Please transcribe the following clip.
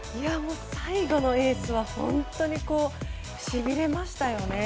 最後のエースは本当にしびれましたよね！